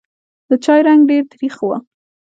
د چای رنګ ډېر تریخ و.